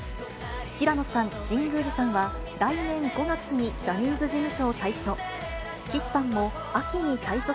平野さん、神宮寺さんは、来年５月にジャニーズ事務所を退所。